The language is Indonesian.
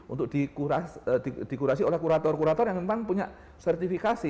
untuk dikurasi oleh kurator kurator yang memang punya sertifikasi